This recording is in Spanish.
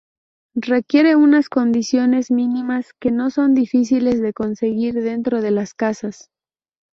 Requiere unas condiciones mínimas que no son difíciles de conseguir dentro de las casas.